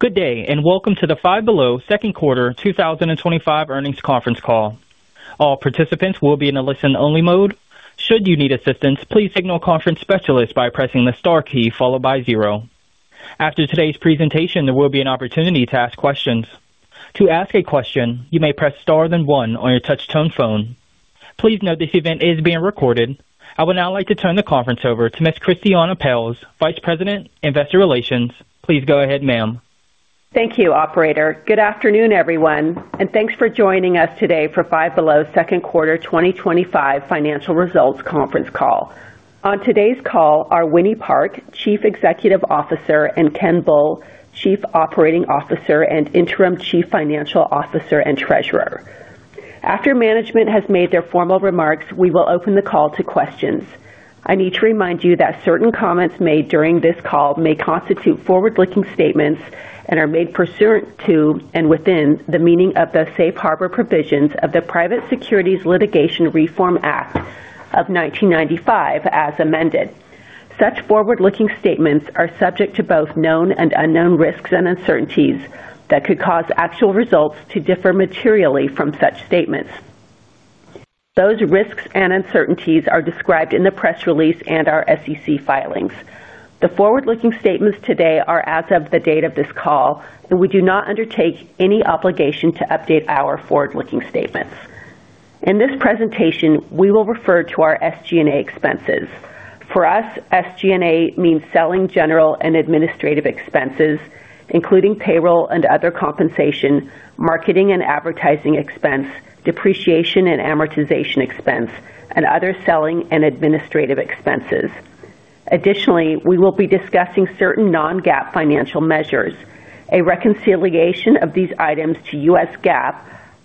Good day and welcome to the Five Below Second Quarter 2025 Earnings Conference Call. All participants will be in a listen only mode. Should you need assistance, please signal conference specialists by pressing the star key followed by zero. After today's presentation, there will be an opportunity to ask questions. To ask a question, you may press star then one on your touchtone phone. Please note this event is being recorded. I would now like to turn the conference over to Ms. Christiane Pelz, Vice President Investor Relations. Please go ahead ma'am. Thank you, operator. Good afternoon, everyone, and thanks for joining us today for Five Below Second Quarter 2025 Financial Results Conference Call. On today's call are Winnie Park, Chief Executive Officer, and Ken Bull, Chief Operating Officer and Interim Chief Financial Officer and Treasurer. After management has made their formal remarks, we will open the call to questions. I need to remind you that certain comments made during this call may constitute forward-looking statements and are made pursuant to and within the meaning of the safe harbor provisions of the Private Securities Litigation Reform Act of 1995 as amended. Such forward-looking statements are subject to both known and unknown risks and uncertainties that could cause actual results to differ materially from such statements. Those risks and uncertainties are described in the press release and our SEC filings. The forward-looking statements today are as of the date of this call, and we do not undertake any obligation to update our forward-looking statements. In this presentation, we will refer to our SG&A expenses. For us, SG&A means selling, general and administrative expenses, including payroll and other compensation, marketing and advertising expense, tax, depreciation and amortization expense, and other selling and administrative expenses. Additionally, we will be discussing certain non-GAAP financial measures. A reconciliation of these items to U.S. GAAP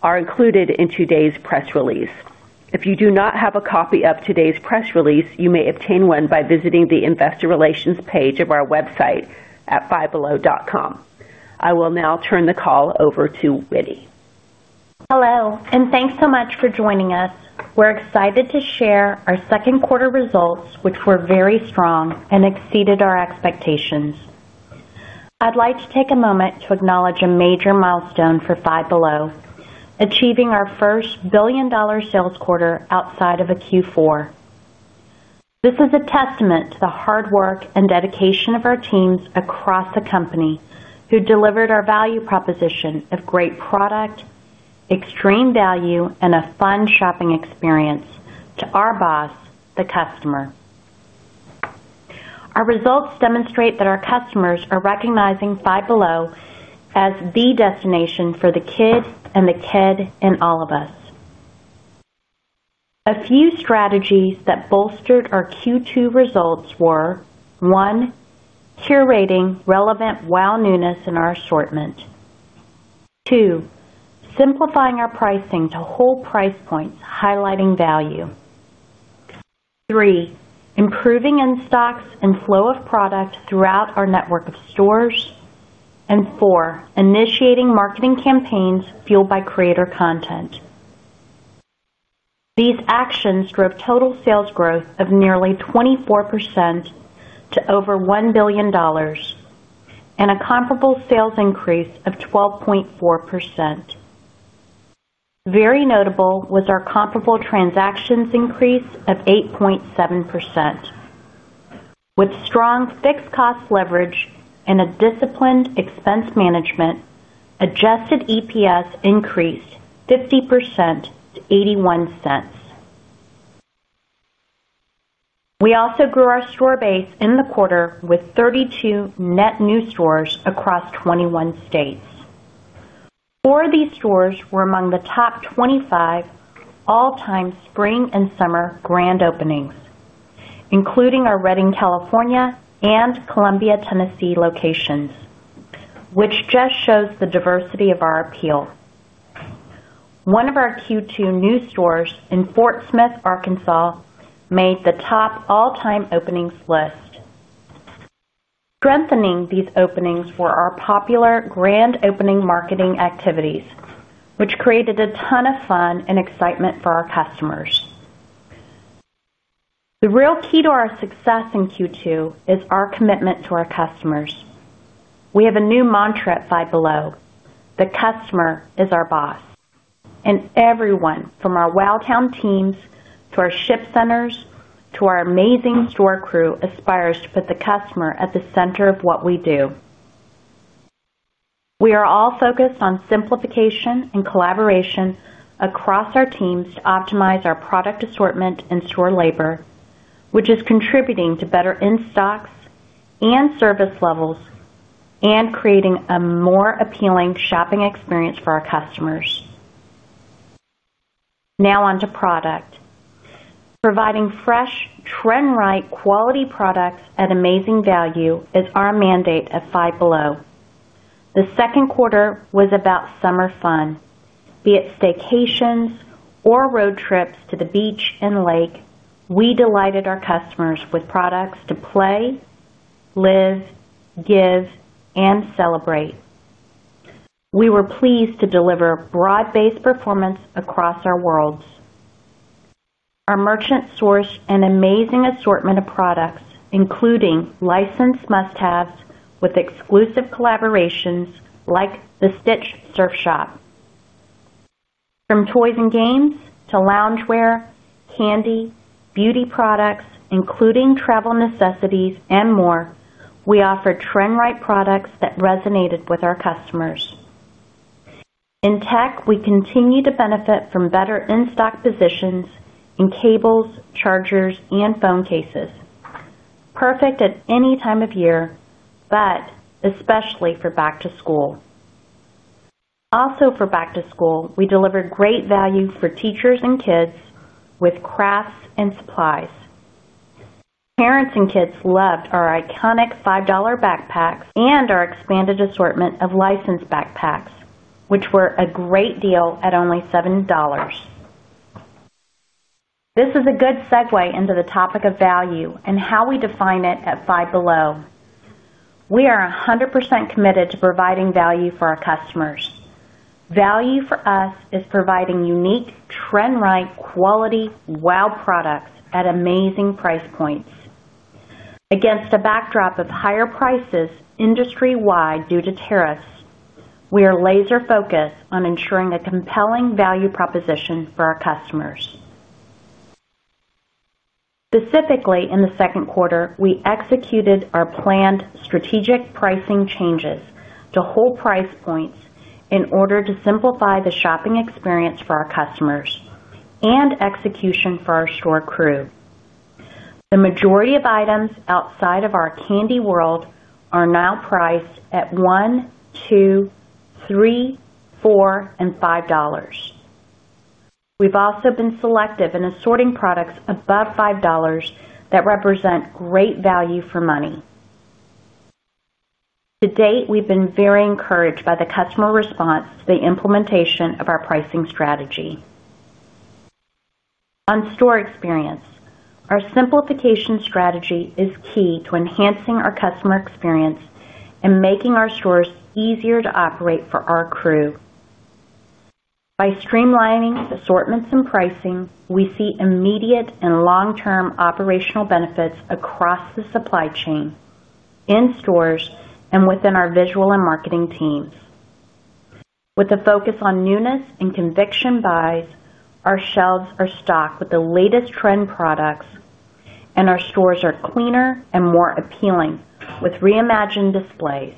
are included in today's press release. If you do not have a copy of today's press release, you may obtain one by visiting the Investor Relations page of our website at fivebelow.com. I will now turn the call over to Winnie. Hello, and thanks so much for joining us. We're excited to share our second quarter results, which were very strong and exceeded our expectations. I'd like to take a moment to acknowledge a major milestone for Five Below, achieving our first billion dollar sales quarter outside of a Q4. This is a testament to the hard work and dedication of our teams across the company who delivered our value proposition of great product, extreme value, and a fun shopping experience to our boss, the customer. Our results demonstrate that our customers are recognizing Five Below as the destination for the kid and the kid in all of us. A few strategies that bolstered our Q2 results were: one, curating relevant wow newness in our assortment, two, simplifying our pricing to whole price points, highlighting value, three, improving in stocks and flow of product throughout our network of stores, and four, initiating marketing campaigns fueled by creator content. These actions drove total sales growth of nearly 24% to over $1 billion and a comparable sales increase of 12.4%. Very notable was our comparable transactions increase of 8.7% with strong fixed cost leverage and disciplined expense management. Adjusted EPS increased 50% to $0.81. We also grew our store base in the quarter with 32 net new stores across 21 states. Four of these stores were among the top 25 all-time spring and summer grand openings, including our Redding, California and Columbia, Tennessee locations, which just shows the diversity of our appeal. One of our Q2 new stores in Fort Smith, Arkansas made the top all-time openings list. Strengthening these openings were our popular grand opening marketing activities, which created a ton of fun and excitement for our customers. The real key to our success in Q2 is our commitment to our customers. We have a new mantra at Five Below: the customer is our boss, and everyone from our wildtown teams to our ship centers to our amazing store crew aspires to put the customer at the center of what we do. We are all focused on simplification and collaboration across our teams to optimize our product assortment and store labor, which is contributing to better in stocks and service levels and creating a more appealing shopping experience for our customers. Now on to product. Providing fresh, trend-right, quality products at amazing value is our mandate at Five Below. The second quarter was about summer fun, be it staycations or road trips to the beach and lake. We delighted our customers with products to play, live, give, and celebrate. We were pleased to deliver broad-based performance across our worlds. Our merchants source an amazing assortment of products, including licensed must-haves with exclusive collaborations like the Stitch's Surf Shop. From toys and games to loungewear, candy, beauty products including travel necessities and more, we offer trend-right products that resonated with our customers in tech. We continue to benefit from better in stock positions in cables, chargers, and phone cases. Perfect at any time of year, but especially for back to school. Also for back to school we delivered great value for teachers and kids with crafts and supplies. Parents and kids loved our iconic $5 backpacks and our expanded assortment of license backpacks which were a great deal at only $7. This is a good segue into the topic of value and how we define it. At Five Below we are 100% committed to providing value for our customers. Value for us is providing unique trend-right quality WOW products at amazing price points against a backdrop of higher prices industry-wide due to tariffs. We are laser focused on ensuring a compelling value proposition for our customers. Specifically, in the second quarter we executed our planned strategic pricing changes to whole price points in order to simplify the shopping experience for our customers and execution for our store crew. The majority of items outside of our candy world are now priced at $1, $2, $3, $4, and $5. We've also been selective in assorting products above $5 that represent great value for money. To date, we've been very encouraged by the customer response to the implementation of our pricing strategy on store experience. Our simplification strategy is key to enhancing our customer experience and making our stores easier to operate for our crew. By streamlining assortments and pricing, we see immediate and long-term operational benefits across the supply chain, in stores, and within our visual and marketing teams with a focus on newness and conviction buys. Our shelves are stocked with the latest trend products and our stores are cleaner and more appealing with reimagined displays.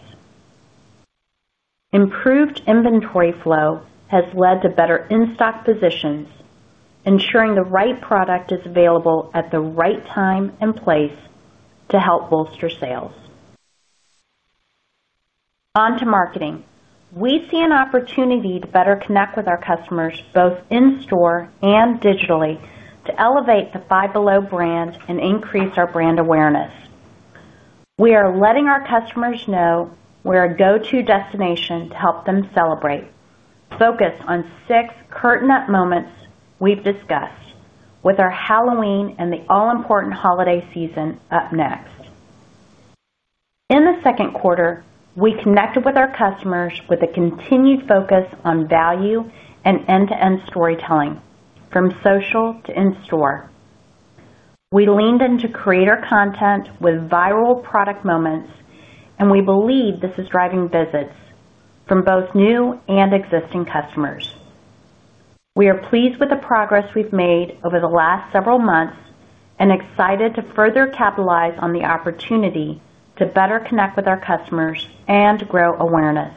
Improved inventory flow has led to better in-stock positions, ensuring the right product is available at the right time and place to help bolster sales. On to marketing, we see an opportunity to better connect with our customers both in store and digitally. To elevate the Five Below brand and increase our brand awareness, we are letting our customers know we're a go-to destination to help them celebrate. Focused on six curtain up moments we've discussed with our Halloween and the all-important holiday season up next. In the second quarter we connected with our customers with a continued focus on value and end-to-end storytelling. From social to in store, we leaned into creator content with viral product moments and we believe this is driving visits from both new and existing customers. We are pleased with the progress we've made over the last several months and excited to further capitalize on the opportunity to better connect with our customers and grow awareness.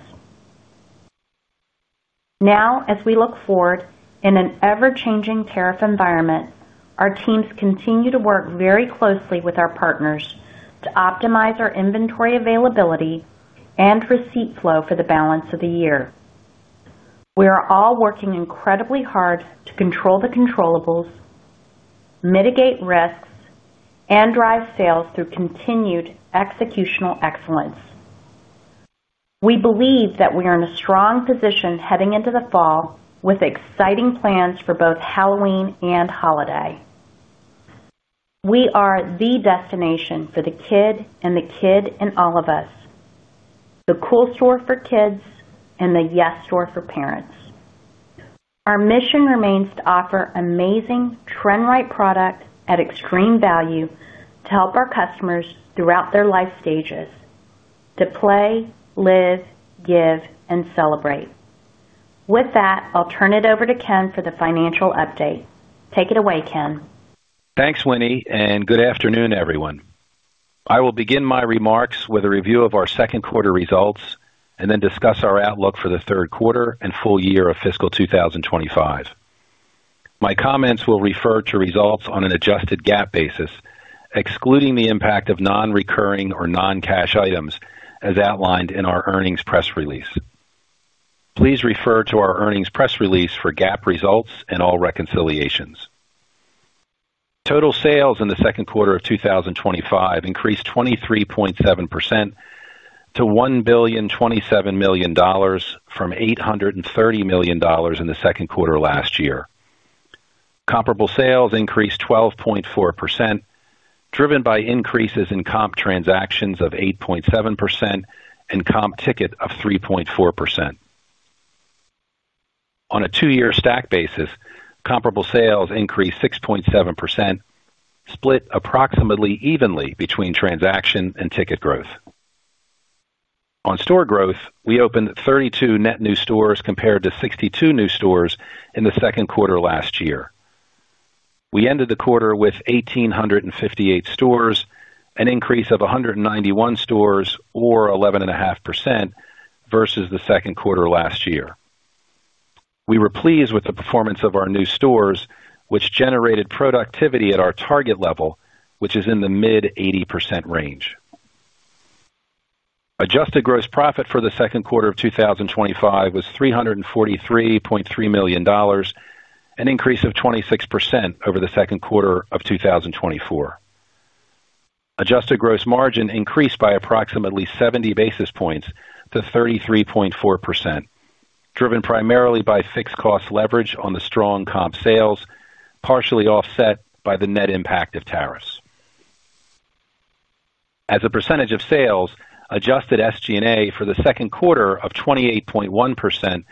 Now, as we look forward in an ever-changing tariff environment, our teams continue to work very closely with our partners to optimize our inventory availability and receipt flow for the balance of the year. We are all working incredibly hard to control the controllables, mitigate risks, and drive sales through continued executional excellence. We believe that we are in a strong position heading into the fall with exciting plans for both Halloween and holiday. We are the destination for the kid and the kid in all of us, the cool store for kids and the yes store for parents. Our mission remains to offer amazing trend-right product at extreme value to help our customers throughout their life stages to play, live, give, and celebrate. With that, I'll turn it over to Ken for the financial update. Take it away, Ken. Thanks Winnie and good afternoon everyone. I will begin my remarks with a review of our second quarter results and then discuss our outlook for the third quarter and full year of fiscal 2025. My comments will refer to results on an adjusted GAAP basis, excluding the impact of non recurring or non cash items as outlined in our earnings press release. Please refer to our earnings press release for GAAP results and all reconciliations. Total sales in the second quarter of 2025 increased 23.7% to $1.027 billion from $830 million in the second quarter last year. Comparable sales increased 12.4%, driven by increases in comp transactions of 8.7% and comp ticket of 3.4%. On a two year stack basis, comparable sales increased 6.7%, split approximately evenly between transaction and ticket growth. On store growth, we opened 32 net new stores compared to 62 new stores in the second quarter last year. We ended the quarter with 1,858 stores, an increase of 191 stores or 11.5% versus the second quarter last year. We were pleased with the performance of our new stores, which generated productivity at our target level, which is in the mid 80% range. Adjusted gross profit for the second quarter of 2025 was $343.3 million, an increase of 26% over the second quarter of 2024. Adjusted gross margin increased by approximately 70 basis points to 33.4%, driven primarily by fixed cost leverage on the strong comp sales, partially offset by the net impact of tariffs as a percentage of sales. Adjusted SG&A for the second quarter of 28.1%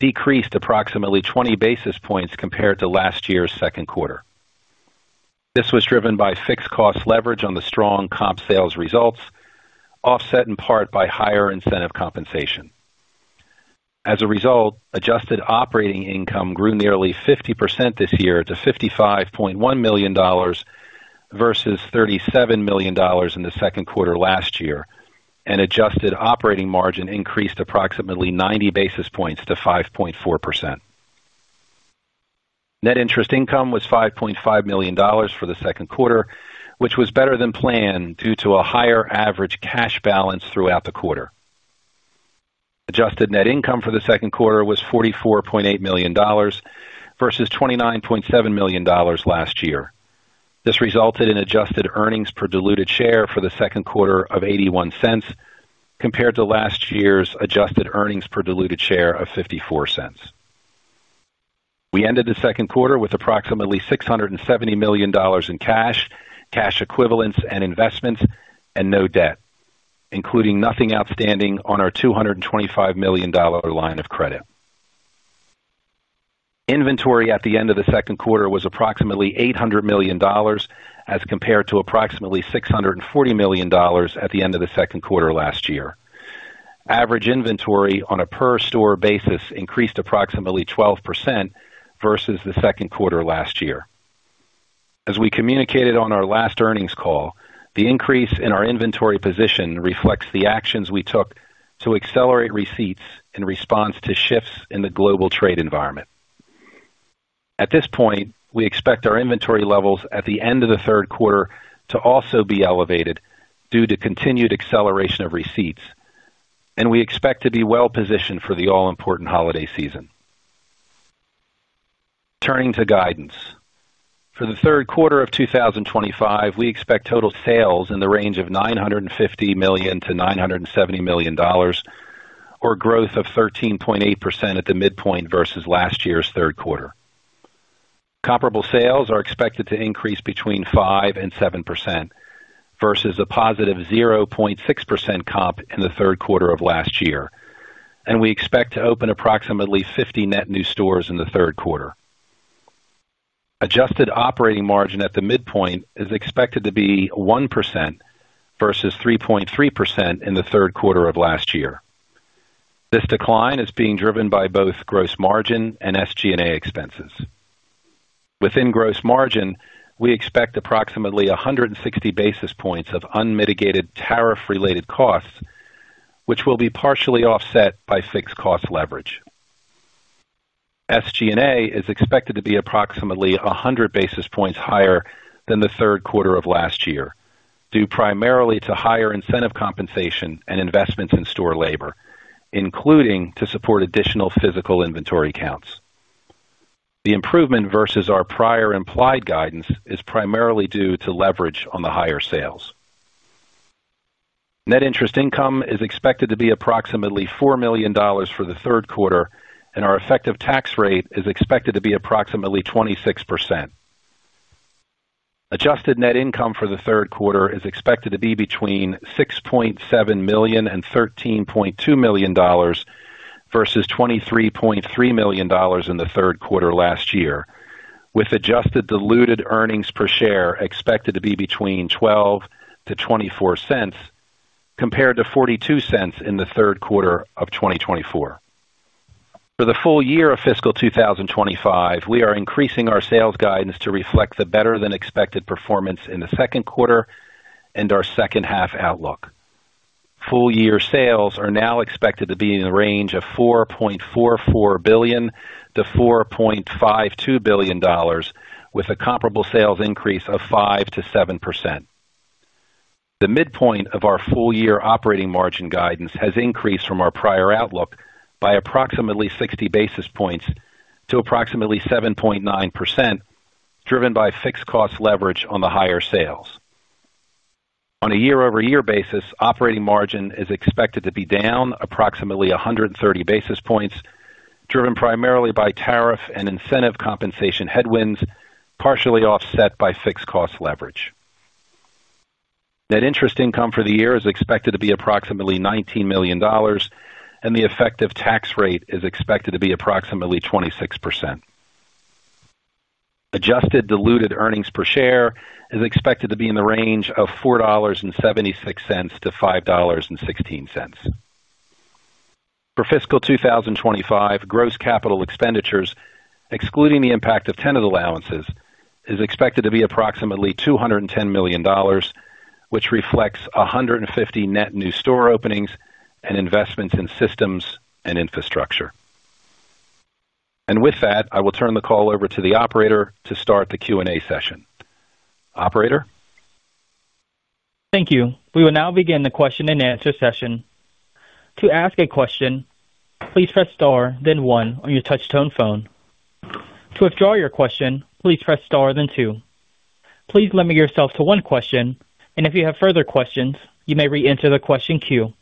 decreased approximately 20 basis points compared to last year's second. This was driven by fixed cost leverage on the strong comp sales results, offset in part by higher incentive compensation. As a result, adjusted operating income grew nearly 50% this year to $55.1 million versus $37 million in the second quarter last year, and adjusted operating margin increased approximately 90 basis points to 5.4%. Net interest income was $5.5 million for the second quarter, which was better than planned due to a higher average cash balance throughout the quarter. Adjusted net income for the second quarter was $44.8 million versus $29.7 million last year. This resulted in adjusted earnings per diluted share for the second quarter of $0.81 compared to last year's adjusted earnings per diluted share of $0.54. We ended the second quarter with approximately $670 million in cash, cash equivalents and investments and no debt, including nothing outstanding on our $225 million line of credit. Inventory at the end of the second quarter was approximately $800 million as compared to approximately $640 million at the end of the second quarter last year. Average inventory on a per store basis increased approximately 12% versus the second quarter last year as we communicated on our last earnings call. The increase in our inventory position reflects the actions we took to accelerate receipts in response to shifts in the global trade environment. At this point, we expect our inventory levels at the end of the third quarter to also be elevated due to continued acceleration of receipts, and we expect to be well positioned for the all-important holiday season. Turning to guidance for the third quarter of 2025, we expect total sales in the range of $950 million-$970 million, or growth of 13.8% at the midpoint versus last year's third quarter. Comparable sales are expected to increase between 5% and 7% versus a positive 0.6% comp in the third quarter of last year, and we expect to open approximately 50 net new stores in the third quarter. Adjusted operating margin at the midpoint is expected to be 1% versus 3.3% in the third quarter of last year. This decline is being driven by both gross margin and SG&A expenses. Within gross margin, we expect approximately 160 basis points of unmitigated tariff related costs, which will be partially offset by fixed cost leverage. SG&A is expected to be approximately 100 basis points higher than the third quarter of last year due primarily to higher incentive compensation and investments in store labor, including to support additional physical inventory counts. The improvement versus our prior implied guidance is primarily due to leverage on the higher sales. Net interest income is expected to be approximately $4 million for the third quarter, and our effective tax rate is expected to be approximately 26%. Adjusted net income for the third quarter is expected to be between $6.7 million and $13.2 million versus $23.3 million in the third quarter last year, with adjusted diluted earnings per share expected to be between $0.12-$0.24 compared to $0.42 in the third quarter of 2024. For the full year of fiscal 2025, we are increasing our sales guidance to reflect the better than expected performance in the second quarter and our second half outlook. Full year sales are now expected to be in the range of $4.44 billion-$4.52 billion, with a comparable sales increase of 5%-7%. The midpoint of our full year operating margin guidance has increased from our prior outlook by approximately 60 basis points to approximately 7.9%, driven by fixed cost leverage on the higher sales. On a year-over-year basis, operating margin is expected to be down approximately 130 basis points, driven primarily by tariff and incentive compensation headwinds partially offset by fixed cost leverage. Net interest income for the year is expected to be approximately $19 million and the effective tax rate is expected to be approximately 26%. Adjusted diluted earnings per share is expected to be in the range of $4.76-$5.16. For fiscal 2025, gross capital expenditures, excluding the impact of tenant allowances, is expected to be approximately $210 million, which reflects 150 net new store openings and investments in systems and infrastructure. With that, I will turn the call over to the operator to start the Q&A session. Operator. Thank you. We will now begin the question and answer session. To ask a question, please press star then one on your touchtone phone. To withdraw your question, please press star then two. Please limit yourself to one question and if you have further questions, you may re-enter the question queue.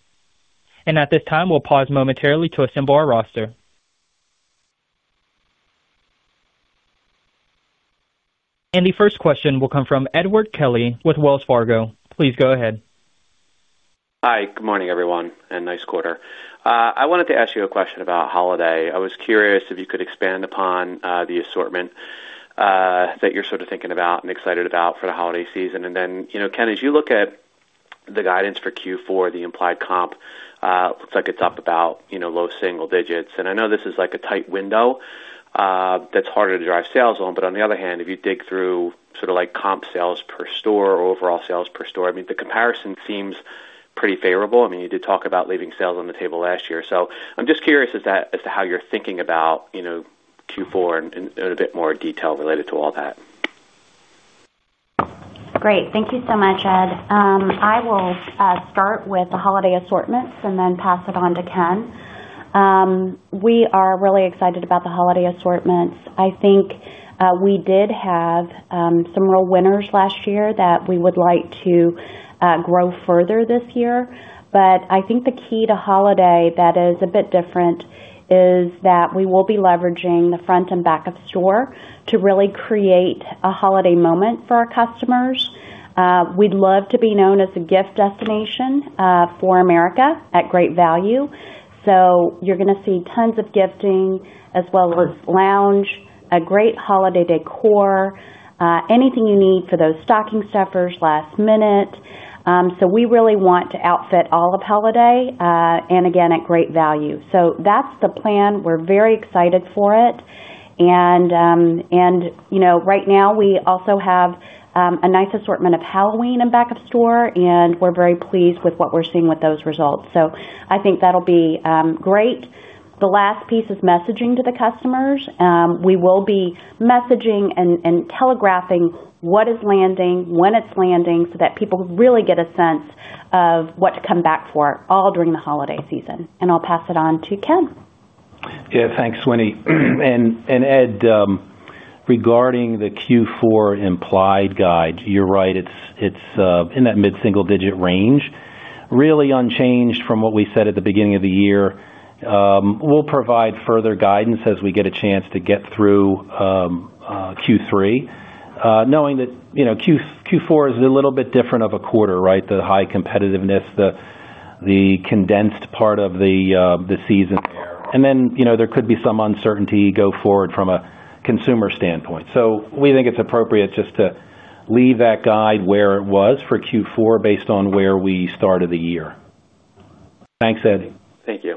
At this time, we'll pause momentarily to assemble our roster. The first question will come from Edward Kelly with Wells Fargo. Please go ahead. Hi, good morning everyone and nice quarter. I wanted to ask you a question about holiday. I was curious if you could expand upon the assortment that you're sort of thinking about and excited about for the holiday season. Then, you know Ken, as you look at the guidance for Q4, the implied comp looks like it's up about low single digits. I know this is like a tight window that's harder to drive sales on, but on the other hand, if you dig through sort of like comp sales per store or overall sales per store, the comparison seems pretty favorable. I mean, you did talk about leaving sales on the table last year. I'm just curious as to how you're thinking about Q4 and a bit more detail related to all that. Great. Thank you so much, Ed. I will start with the holiday assortments and then pass it on to Ken. We are really excited about the holiday assortments. I think we did have some real winners last year that we would like to grow further this year. I think the key to holiday that is a bit different is that we will be leveraging the front and back of store to really create a holiday moment for our customers. We'd love to be known as a gift destination for America at great value. You're going to see tons of gifting as well as lounge, a great holiday decor, anything you need for those stocking stuffers last minute. We really want to outfit all of holiday and again at great value. That's the plan. We're very excited for it. Right now we also have a nice assortment of Halloween and back of store and we're very pleased with what we're seeing with those results. I think that'll be great. The last piece is messaging to the customers. We will be messaging and telegraphing what is landing when it's landing so that people really get a sense of what to come back for all during the holiday season. I'll pass it on to Ken. Yeah, thanks, Winnie and Ed. Regarding the Q4 implied guide, you're right, it's in that mid single digit range, really unchanged from what we said at the beginning of the year. We'll provide further guidance as we get a chance to get through Q3 knowing that Q4 is a little bit different of a quarter. The high competitiveness, the condensed part of the season, and then, you know, there could be some uncertainty go forward from a consumer standpoint. We think it's appropriate just to leave that guide where it was for Q4 based on where we started the year. Thanks, Ed. Thank you.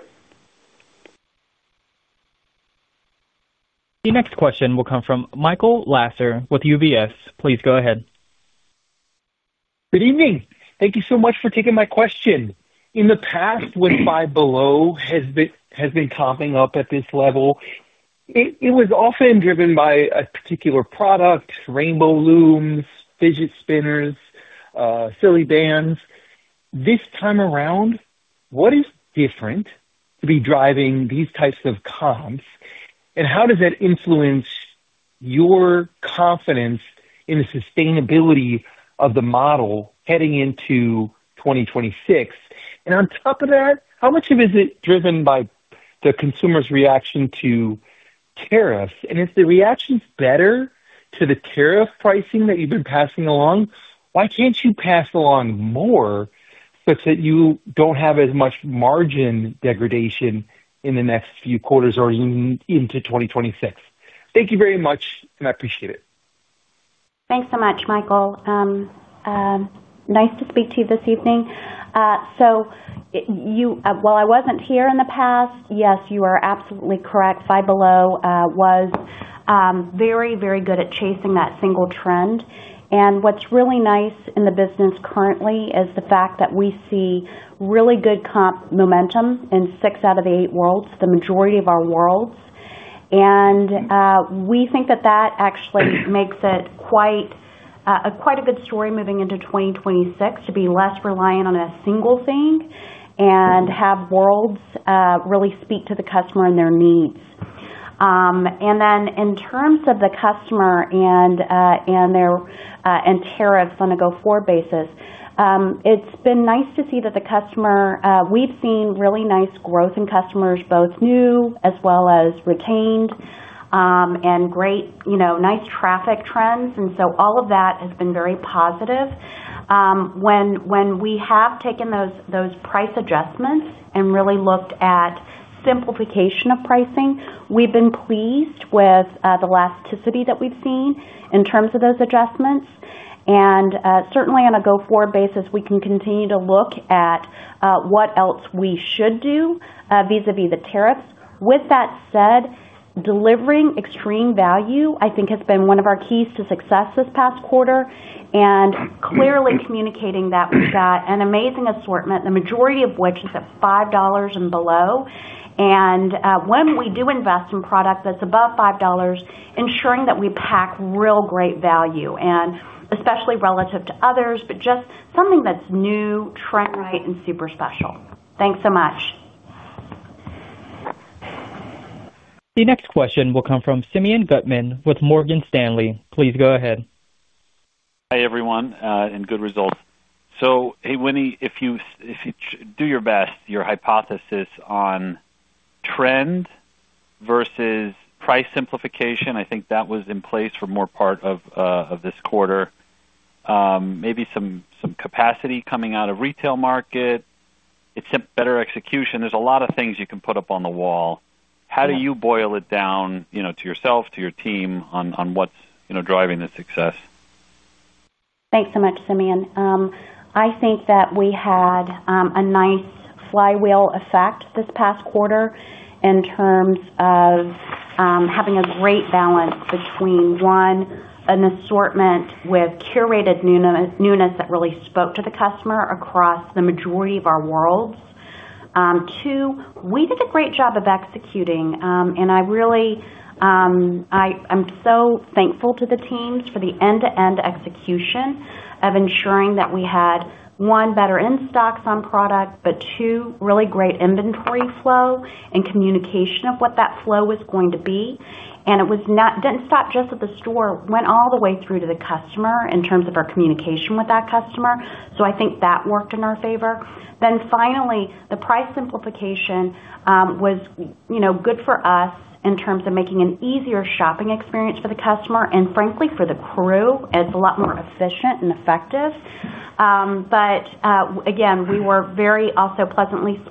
The next question will come from Michael Lasser with UBS. Please go ahead. Good evening. Thank you so much for taking my question. In the past, when Five Below has been topping up at this level, it was often driven by a particular product: Rainbow Looms, fidget spinners, sillybandz. This time around, what is different to be driving these types of comps and how does that influence your confidence in the sustainability of the model heading into 2026? On top of that, how much of it is driven by the consumer's reaction to tariffs? If the reaction is better to the tariff pricing that you've been passing along, why can't you pass along more so that you don't have as much margin degradation in the next few quarters or even into 2026? Thank you very much and I appreciate it. Thanks so much, Michael. Nice to speak to you this evening. While I wasn't here in the past, yes, you are absolutely correct, Five Below was very, very good at chasing that single trend. What's really nice in the business currently is the fact that we see really good comp momentum in six out of eight worlds, the majority of our worlds. We think that actually makes it quite a good story moving into 2026 to be less reliant on a single thing and have worlds really speak to the customer and their needs. In terms of the customer and tariffs on a go forward basis, it's been nice to see that the customer, we've seen really nice growth in customers, both new as well as returning, great nice traffic trends. All of that has been very positive. When we have taken those price adjustments and really looked at simplification of pricing, we've been pleased with the elasticity that we've seen in terms of those adjustments. Certainly on a go forward basis we can continue to look at what else we should do vis-à-vis the tariffs. With that said, delivering extreme value I think has been one of our keys to success this past quarter and clearly communicating that we've got an amazing assortment, the majority of which is at $5 and below. When we do invest in product that's above $5, ensuring that we pack real great value and especially relative to others, but just something that's new trend, right? And super special. Thanks so much. The next question will come from Simeon Gutman with Morgan Stanley. Please go ahead. Hi everyone. Good results. Hey Winnie, if you do your best, your hypothesis on trend versus price simplification, I think that was in place for more part of this quarter. Maybe some capacity coming out of retail market. It's better execution. There are a lot of things you can put up on the wall. How do you boil it down to yourself, to your team on what's driving the success. Thanks so much, Simeon. I think that we had a nice flywheel effect this past quarter in terms of having a great balance between, one, an assortment with curated newness that really spoke to the customer across the majority of our world. We did a great job of executing, and I'm so thankful to the teams for the end-to-end execution of ensuring that we had, one, better in stocks on product, but, two, really great inventory flow and communication of what that flow was going to be. It did not stop just at the store; it went all the way through to the customer in terms of our communication with that customer. I think that worked in our favor. Finally, the price simplification was good for us in terms of making an easier shopping experience for the customer and, frankly, for the crew. It's a lot more efficient and effective. We were also very pleasantly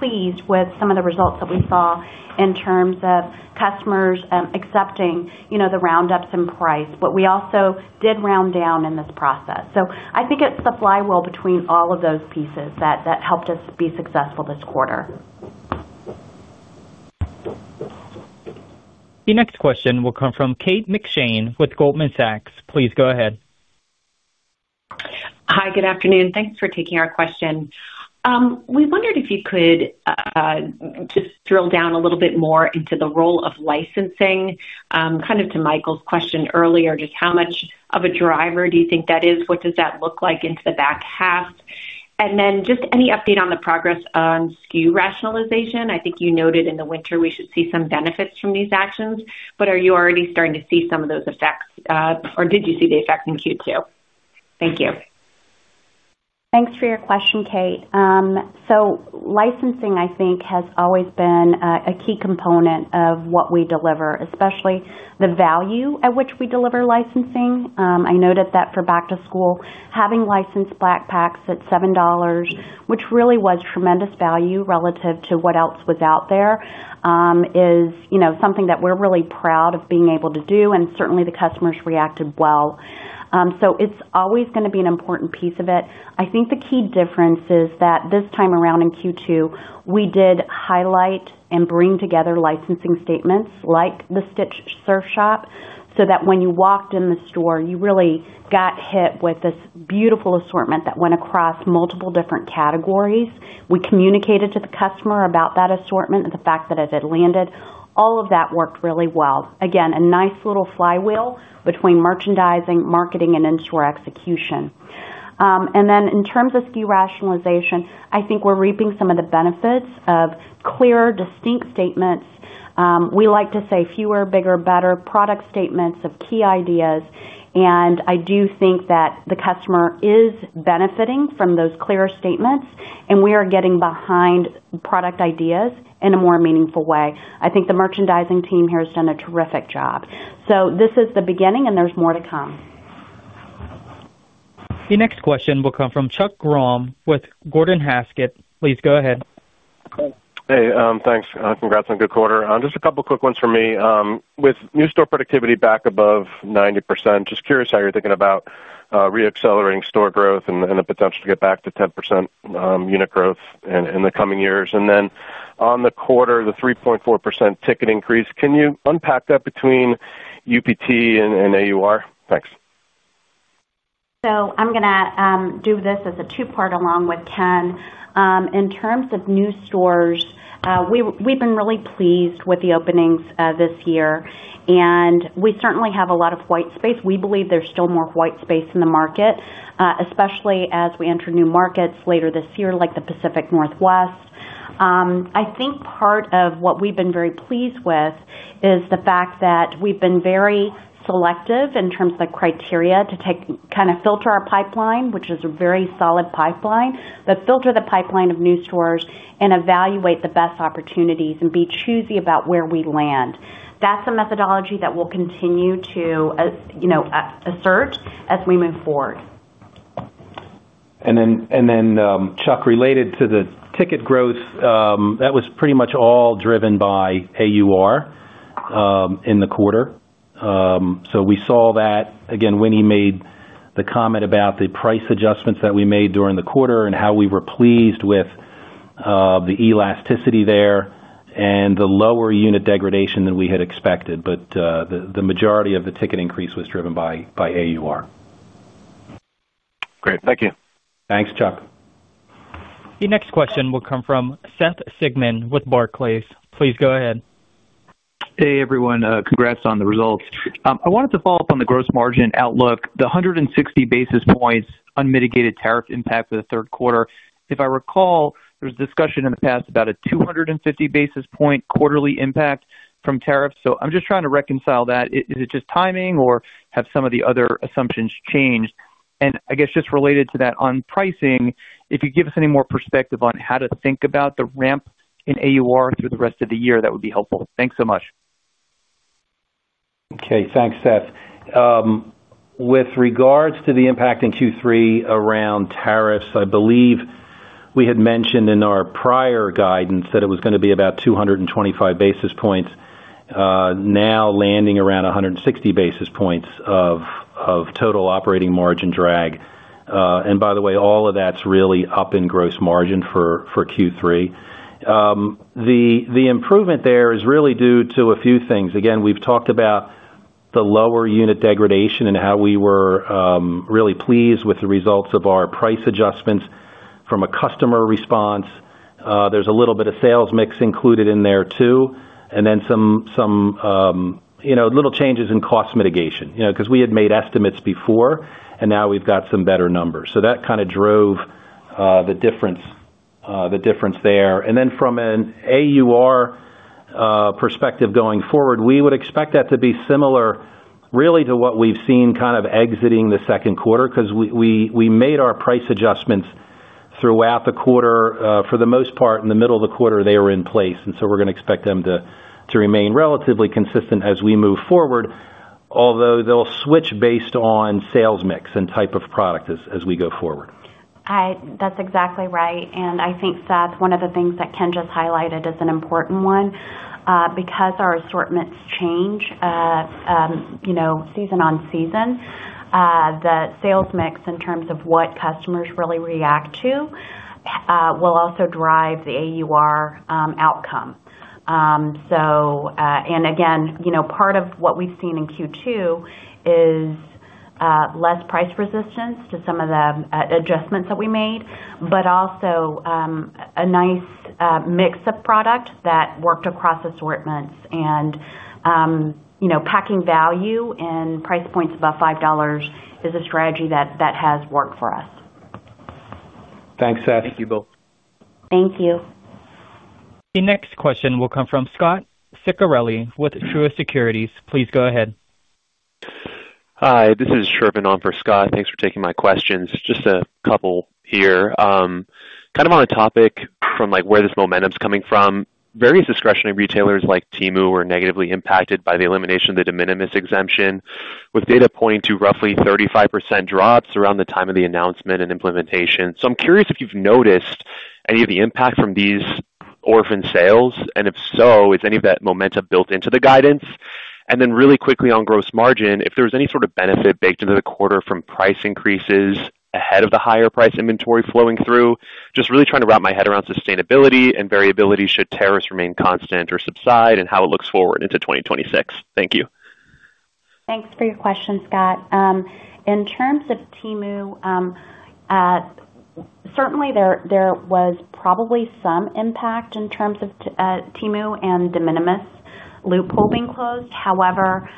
pleased with some of the results that we saw in terms of customers accepting the roundups in price. We also did round down in this process. I think it's the flywheel between all of those pieces that helped us be successful this quarter. The next question will come from Kate McShane with Goldman Sachs. Please go ahead. Hi, good afternoon. Thanks for taking our question. We wondered if you could just drill down a little bit more into the role of licensing. To Michael's question earlier, just how much of a driver do you think that is? What does that look like into the back half too? Any update on the progress on SKU rationalization? I think you noted in the winter we should see some benefits from these actions, but are you already starting to see some of those effects or did you see the effects in Q2? Thank you. Thanks for your question, Kate. Licensing, I think, has always been a key component of what we deliver, especially the value at which we deliver licensing. I noted that for back to school, having licensed backpacks at $7, which is really tremendous value relative to what else was out there, is something that we're really proud of being able to do. Certainly the customers reacted well. It's always going to be an important piece of it. I think the key difference is that this time around in Q2, we did highlight and bring together licensing statements like the Stitch's Surf Shop, so that when you walked in the store, you really got hit with this beautiful assortment that went across multiple different categories. We communicated to the customer about that assortment and the fact that it had landed. All of that worked really well. Again, a nice little flywheel between merchandising, marketing, and in-store execution. In terms of SKU rationalization, I think we're reaping some of the benefits of clear, distinct statements. We like to say fewer, bigger, better product statements of key ideas. I do think that the customer is benefiting from those clear statements and we are getting behind product ideas in a more meaningful way. I think the merchandising team here has done a terrific job. This is the beginning and there's more to come. The next question will come from Chuck Grom with Gordon Haskett. Please go ahead. Hey, thanks. Congrats on good quarter. Just a couple quick ones for me. With new store productivity back above 90%, just curious how you're thinking about reaccelerating store growth and the potential to get back to 10% unit growth in the coming years. On the quarter, the 3.4% ticket increase, can you unpack that between UPT and AUR? Thanks. I'm going to do this as a two part along with Ken in terms of new stores. We've been really pleased with the openings this year, and we certainly have a lot of white space. We believe there's still more white space in the market, especially as we enter new markets later this year like the Pacific Northwest. I think part of what we've been very pleased with is the fact that we've been very selective in terms of the criteria to kind of filter our pipeline, which is a very solid pipeline, but filter the pipeline of new stores and evaluate the best opportunities and be choosy about where we land. That's a methodology that we'll continue to assert as we move forward. Chuck, related to the ticket growth, that was pretty much all driven by AUR in the quarter. We saw that again. Winnie made the comment about the price adjustments that we made during the quarter and how we were pleased with the elasticity there and the lower unit degradation than we had expected. The majority of the ticket increase was driven by AUR. Great, thank you. Thanks, Chuck. The next question will come from Seth Sigman with Barclays. Please go ahead. Hey everyone. Congrats on the results. I wanted to follow up on the gross margin outlook, the 160 basis points unmitigated tariff impact for the third quarter. If I recall, there was discussion in the past about a 250 basis point quarterly impact from tariffs. I am just trying to reconcile that. Is it just timing or have some of the other assumptions changed? Just related to that on pricing, if you could give us any more perspective on how to think about the ramp in AUR through the rest of the year, that would be helpful. Thanks so much. Thanks, Seth. With regards to the impact in Q3 around tariffs, I believe we had mentioned in our prior guidance that it was going to be about 225 basis points, now landing around 160 basis points of total operating margin drag. By the way, all of that is really up in gross margin for Q3. The improvement there is really due to a few things. We have talked about the lower unit degradation and how we were really pleased with the results of our price adjustments from a customer response. There is a little bit of sales mix included in there too and then some little changes in cost mitigation because we had made estimates before and now we have got some better numbers. That kind of drove the difference there. From an AUR perspective going forward, we would expect that to be similar to what we have seen exiting the second quarter because we made our price adjustments throughout the quarter. For the most part, in the middle of the quarter they were in place. We are going to expect them to remain relatively consistent as we move forward, although they will switch based on sales mix and type of product as we go forward. That's exactly right. I think, Seth, one of the things that Ken just highlighted is an important one because our assortments change season on season. The sales mix in terms of what customers really react to will also drive the AUR outcome. Part of what we've seen in Q2 is less price resistance to some of the adjustments that we made, but also a nice mix of product that worked across assortments. Packing value in price points above $5 is a strategy that has worked for us. Thanks, Seth. Thank you both. Thank you. The next question will come from Scott Ciccarelli with Truist Securities. Please go ahead. Hi, this is Sherpan on for Scott. Thanks for taking my questions. Just a couple here kind of on a topic from like where this momentum is coming from. Various discretionary retailers like Temu were negatively impacted by the elimination of the de minimis exemption with data pointing to roughly 35% drops around the time of the announcement and implementation. I'm curious if you noticed any of the impact from these orphan sales and if so is any of that momentum built into the guidance and then really quickly on gross margin if there was any sort of benefit baked into the quarter from price increases ahead of the higher price inventory flowing through. Just really trying to wrap my head around sustainability and variability should tariffs remain constant or subside and how it looks forward into 2026. Thank you. Thanks for your question, Scott. In terms of Temu, there was probably some impact in terms of Temu and the de minimis loophole being closed. However,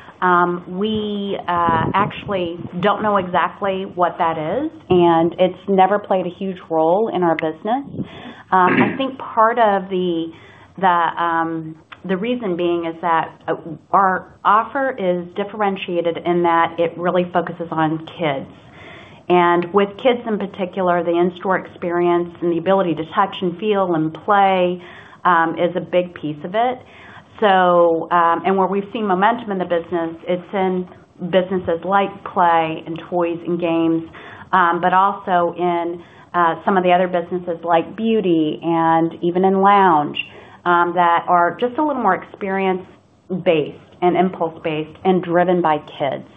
we actually don't know exactly what that is, and it's never played a huge role in our business. I think part of the reason being is that our offer is differentiated in that it really focuses on kids, and with kids in particular, the in-store experience and the ability to touch and feel and play is a big piece of it. Where we've seen momentum in the business, it's in businesses like play and toys and games, but also in some of the other businesses like beauty and even in lounge that are just a little more experience-based and impulse-based and driven by kids.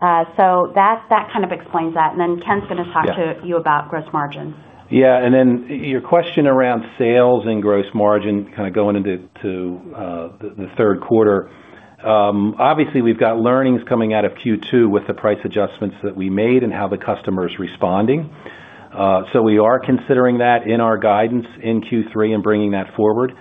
That kind of explains that. Ken's going to talk to you about gross margins. Yeah. Your question around sales and gross margin kind of going into the third quarter, obviously we've got learnings coming out of Q2 with the price adjustments that we made and how the customer's responding. We are considering that in our guidance in Q3 and bringing that forward.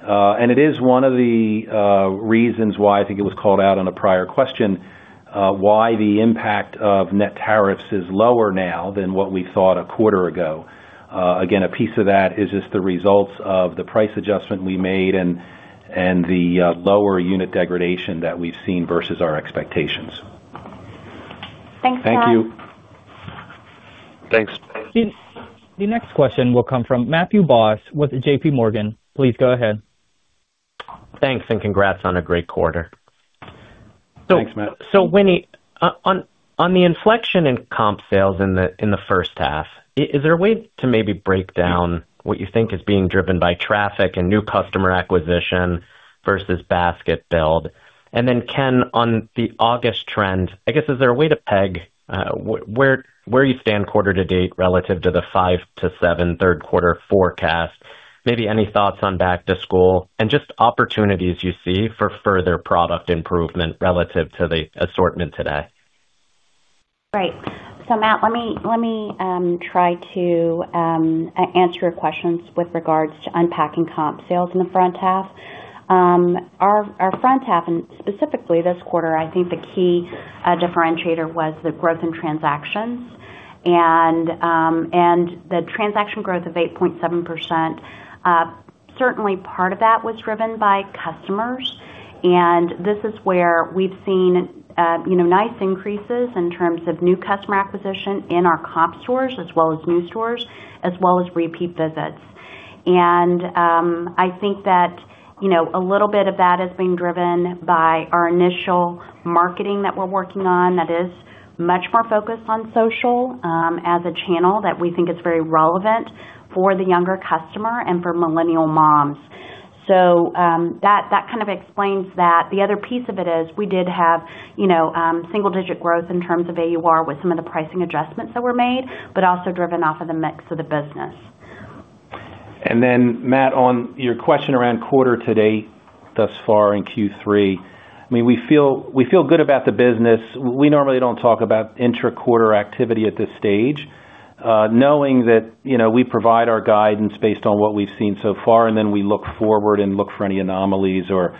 It is one of the reasons why I think it was called out on a prior question why the impact of net tariffs is lower now than what we thought a quarter ago. A piece of that is just the results of the price adjustment we made and the lower unit degradation that we've seen versus our expectations. Thanks Scott. Thank you. Thanks. The next question will come from Matthew Boss with JPMorgan. Please go ahead. Thanks. And congrats on a great quarter. Thanks Matt. Winnie, on the inflection in comparable sales in the first half, is there a way to maybe break down what you think is being driven by traffic and new customer acquisition versus basket build? Ken, on the August trend, is there a way to peg where you stand quarter to date relative to the 5%-7% third quarter forecast? Any thoughts on back to school and just opportunities? You see further product improvement relative to the assortment today. Right. So Matt, let me try to answer your questions with regards to unpacking comp sales in the front half, our front half and specifically this quarter. I think the key differentiator was the growth in transactions and the transaction growth of 8.7%. Certainly part of that was driven by customers. This is where we've seen nice increases in terms of new customer acquisition in our comp stores as well as new stores as well as repeat visits. I think that a little bit of that is being driven by our initial marketing that we're working on that is much more focused on social as a channel that we think is very relevant for the younger customer and for millennial moms. That kind of explains that. The other piece of it is we did have single digit growth in terms of AUR with some of the pricing adjustments that were made but also driven off of the mix of the business. Matt, on your question around quarter to date thus far in Q3, we feel good about the business. We normally don't talk about intra quarter activity at this stage knowing that we provide our guidance based on what we've seen so far. We look forward and look for any anomalies or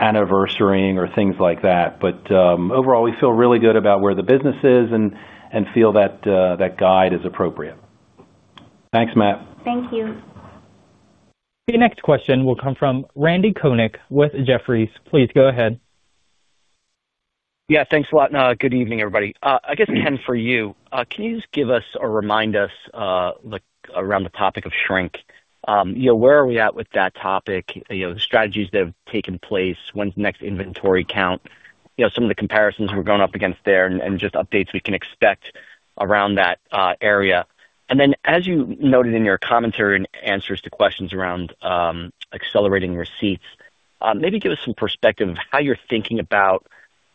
anniversarying or things like that. Overall, we feel really good about where the business is and feel that that guide is appropriate. Thanks, Matt. Thank you. The next question will come from Randy Konik with Jefferies. Please go ahead. Yeah, thanks a lot and good evening everybody. I guess Ken, for you, can you just give us or remind us around the topic of shrink? Where are we at with that topic? The strategies that have taken place, when's next inventory count, some of the comparisons we're going up against there and just updates we can expect around that area. As you noted in your commentary and answers to questions around accelerating receipts, maybe give us some perspective how you're thinking about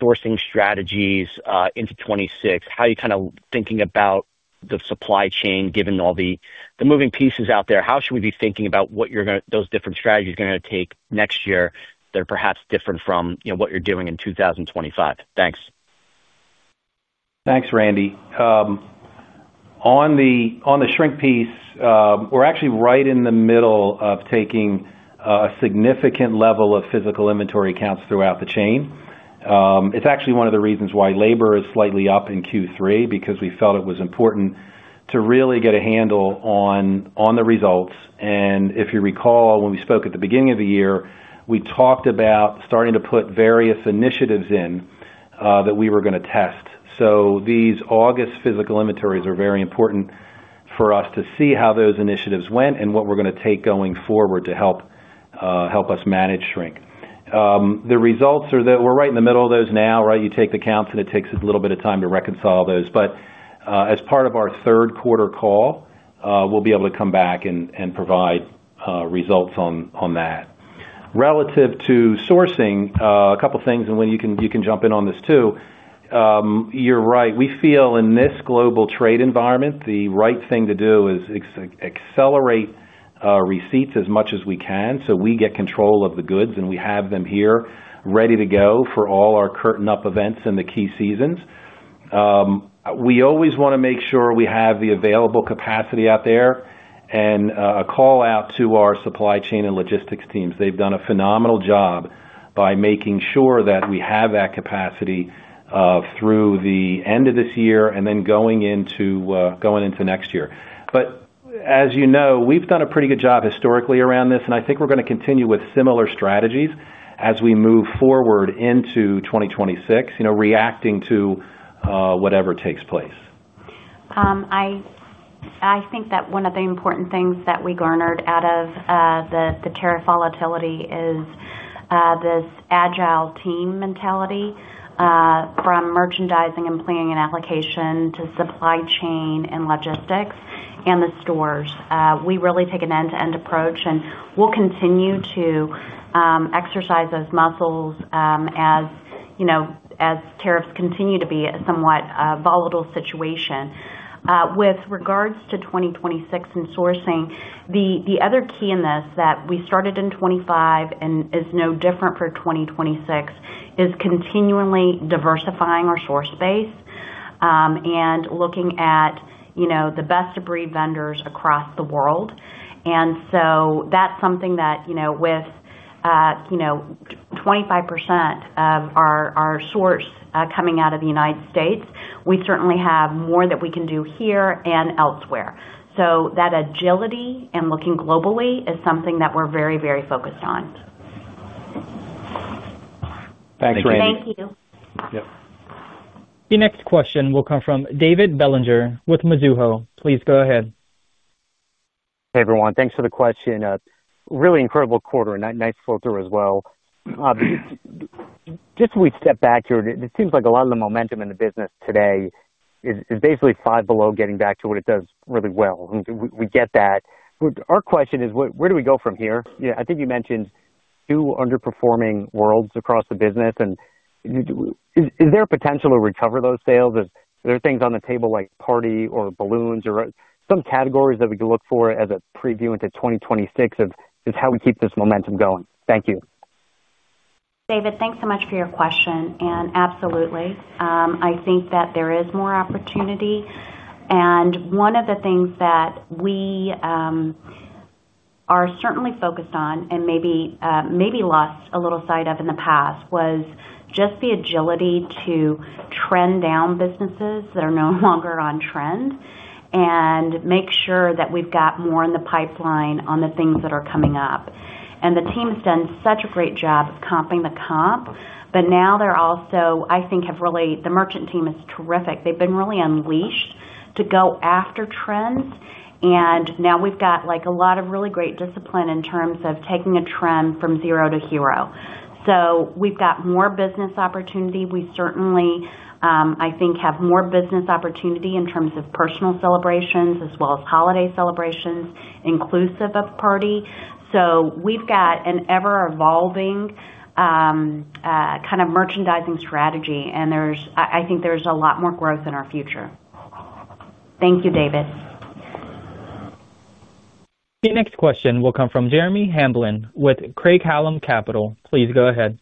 sourcing strategies into 2026. How are you kind of thinking about the supply chain given all the moving pieces out there? How should we be thinking about what you're going to do? Those different strategies are going to take next year. They're perhaps different from what you're doing in 2025. Thanks. Thanks, Randy. On the shrink piece, we're actually right in the middle of taking a significant level of physical inventory counts throughout the chain. It's actually one of the reasons why labor is slightly up in Q3 because we felt it was important to really get a handle on the results. If you recall when we spoke at the beginning of the year, we talked about starting to put various initiatives in that we were going to test. These August physical inventories are very important for us to see how those initiatives went and what we're going to take going forward to help us manage shrink. The results are that we're right in the middle of those now. You take the counts and it takes a little bit of time to reconcile those. As part of our third quarter call, we'll be able to come back and provide results on that. Relative to sourcing, a couple things, and Winnie can jump in on this too. You're right. We feel in this global trade environment the right thing to do is accelerate receipts as much as we can so we get control of the goods and we have them here ready to go for all our curtain up events in the key seasons. We always want to make sure we have the available capacity out there, and a call out to our supply chain and logistics teams. They've done a phenomenal job by making sure that we have that capacity through the end of this year and then going into next year. As you know, we've done a pretty good job historically around this. I think we're going to continue with similar strategies as we move forward into 2026, reacting to whatever takes place. I think that one of the important things that we garnered out of the tariff volatility is this agile team mentality from merchandising and planning and application to supply chain and logistics and the stores. We really take an end-to-end approach and we'll continue to exercise those muscles as tariffs continue to be a somewhat volatile situation with regards to 2026 and sourcing. The other key in this that we started in 2025 and is no different for 2026 is continually diversifying our source base and looking at the best debris vendors across the world. That's something that, with 25% of our source coming out of the United States, we certainly have more that we can do here and elsewhere. That agility and looking globally is something that we're very, very focused on. Thanks, Randy. Thank you. The next question will come from David Bellinger with Mizuho. Please go ahead. Hey everyone, thanks for the question. Really incredible quarter. Nice flow through as well. Obviously, just as we step back here, it seems like a lot of the momentum in the business today is basically Five Below getting back to what it does really well. We get that. Our question is where do we go from here? Yeah, I think you mentioned two underperforming worlds across the business, and is there potential to recover those sales? There are things on the table like party or balloons or some categories that we can look for as a preview into 2026 of just how we keep this momentum going. Thank you. David, thanks so much for your question and absolutely I think that there is more opportunity. One of the things that we are certainly focused on and maybe lost a little sight of in the past was just the agility to trend down businesses that are no longer on trend and make sure that we've got more in the pipeline on the things that are coming up. The team has done such a great job of comping the comp, but now they're also, I think, have really—the merchant team is terrific. They've been really unleashed to go after trends and now we've got a lot of really great discipline in terms of taking a trend from zero to hero. We've got more business opportunity. We certainly, I think, have more business opportunity in terms of personal celebrations as well as holiday celebrations inclusive of purdy. We've got an ever-evolving kind of merchandising strategy and I think there's a lot more growth in our future. Thank you, David. The next question will come from Jeremy Hamblin with Craig-Hallum Capital. Please go ahead.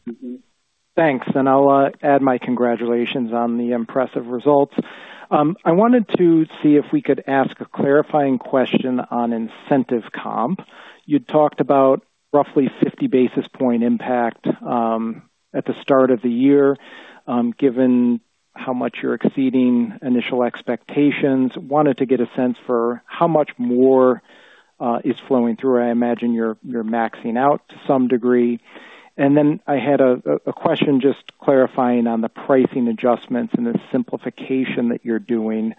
Thanks. I'll add my congratulations on the impressive results. I wanted to see if we could ask a clarifying question on incentive comp. You talked about roughly 50 basis point impact at the start of the year given how much you're exceeding initial expectations. Wanted to get a sense for how much more is flowing through. I imagine you're maxing out to some degree. I had a question just clarifying on the pricing adjustments and the simplification that you're doing.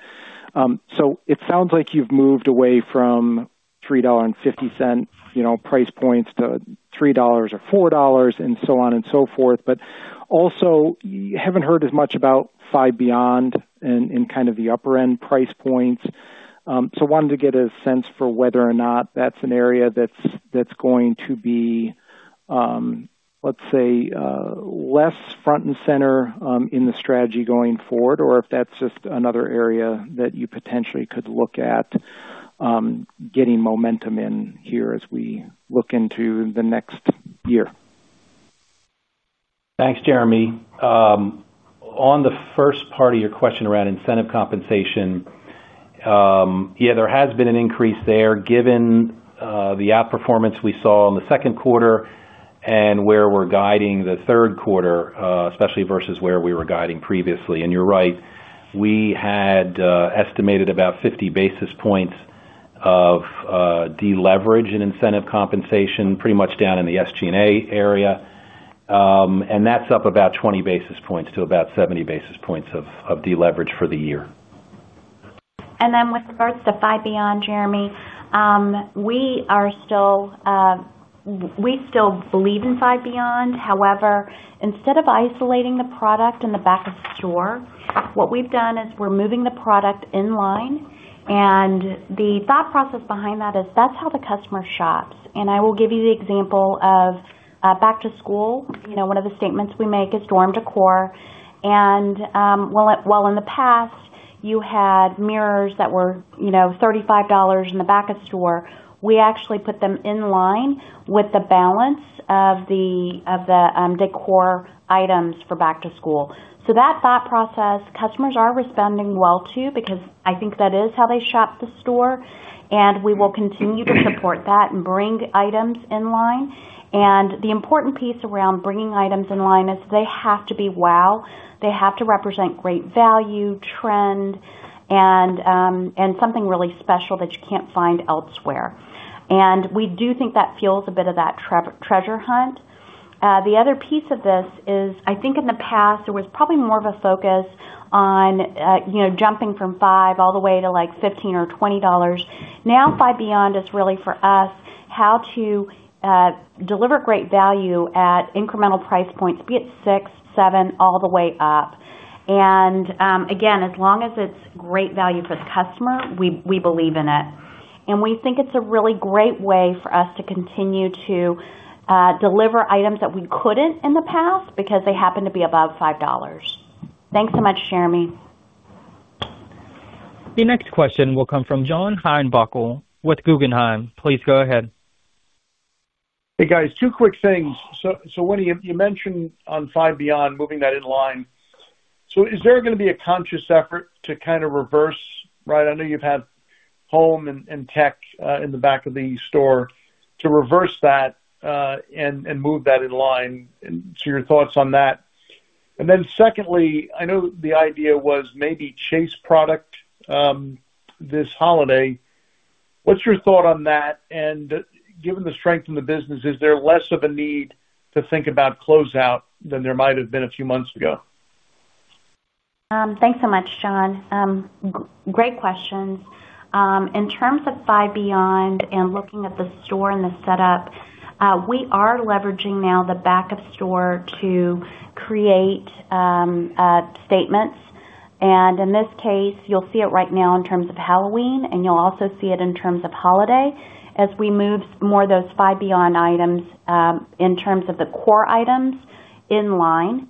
It sounds like you've moved away from $3.50 price points to $3 or $4 and so on and so forth. Also, you haven't heard as much about Five Beyond and kind of the upper end price points. Wanted to get a sense for whether or not that's an area that's going to be, let's say, less front and center in the strategy going forward or if that's just another area that you potentially could look at getting momentum in here as we look into the next year. Thanks, Jeremy. On the first part of your question around incentive compensation, there has been an increase there given the outperformance we saw in the second quarter and where we're guiding the third quarter, especially versus where we were guiding previously. You're right, we had estimated about 50 basis points of deleverage in incentive compensation pretty much down in the SG&A area and that's up about 20 basis points to about 70 basis points of deleverage for the year. With regards to Five Beyond, Jeremy, we still believe in Five Beyond. However, instead of isolating the product in the back of store, what we've done is we're moving the product in line. The thought process behind that is that's how the customer shopped. I will give you the example of back to school. One of the statements we make is dorm decor. While in the past you had mirrors that were, you know, $35 in the back of store, we actually put them in line with the balance of the decor items for back to school. That thought process, customers are responding well to because I think that is how they shop the store. We will continue to support that and bring items in. The important piece around bringing items in line is they have to be wow, they have to represent great value, trend, and something really special that you can't find elsewhere. We do think that fuels a bit of that treasure hunt. The other piece of this is I think in the past there was probably more of a focus on jumping from five all the way to like $15 or $20. Now Five Beyond is really for us how to deliver great value at incremental price points, be it six, seven, all the way up. Again, as long as it's great value for the customer, we believe in it and we think it's a really great way for us to continue to deliver items that we couldn't in the past because they happen to be above $5. Thanks so much, Jeremy. The next question will come from John Heinbockel with Guggenheim. Please go ahead. Hey guys, two quick things. Winnie, you mentioned on Five Beyond moving that in line. Is there going to be a conscious effort to kind of reverse? Right. I know you've had home and tech in the back of the store to reverse that and move that in line. Your thoughts on that? Secondly, I know the idea was maybe chase production this holiday. What's your thought on that? Given the strength in the business, is there less of a need to think about closeout than there might have been a few months ago? Thanks so much, John. Great questions. In terms of Five Beyond and looking at the store and the setup, we are leveraging now the backup store to create statements. In this case, you'll see it right now in terms of Halloween, and you'll also see it in terms of holiday as we move more of those Five Beyond items in terms of the core items in line.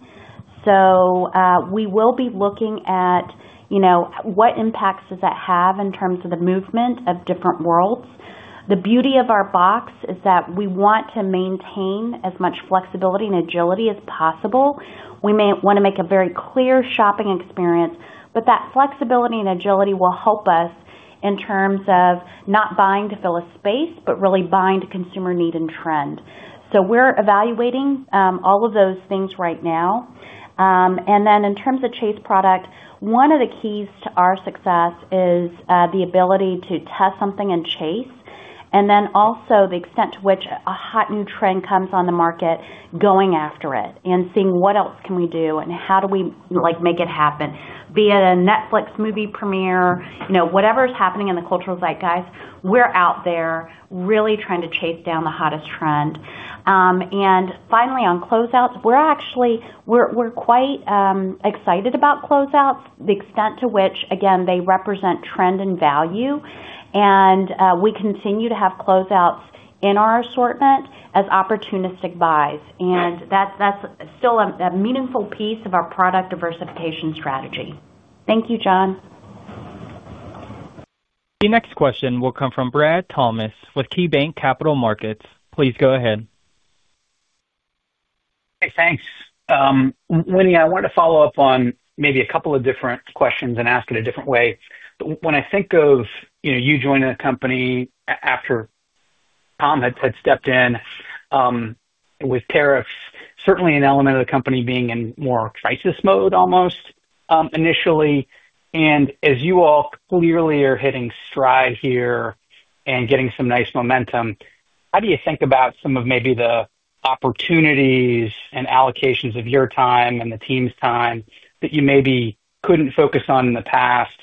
We will be looking at what impacts that has in terms of the movement of different worlds. The beauty of our box is that we want to maintain as much flexibility and agility as possible. We may want to make a very clear shopping experience, but that flexibility and agility will help us in terms of not buying to fill a space, but really buying to consumer need and trend. We're evaluating all of those things right now. In terms of chase product, one of the keys to our success is the ability to test something in chase and then also the extent to which a hot new trend comes on the market, going after it and seeing what else can we do and how do we make it happen, be it a Netflix movie premiere, whatever is happening in the cultural zeitgeist, we're out there really trying to chase down the hottest trend. Finally, on closeouts, we're actually quite excited about closeouts, the extent to which, again, they represent trend and value, and we continue to have closeouts in our assortment as opportunistic buys, and that's still a meaningful piece of our product diversification strategy. Thank you, John. The next question will come from Brad Thomas with KeyBanc Capital Markets. Please go ahead. Hey, thanks, Winnie. I wanted to follow up on maybe a couple of different questions and ask it a different way. When I think of you joining the company after Tom had stepped in with tariffs, certainly an element of the company being in more crisis mode almost initially, and as you all clearly are hitting stride here and getting some nice momentum, how do you think about some of maybe the opportunities and allocations of your time and the team's time that you maybe couldn't focus on in the past?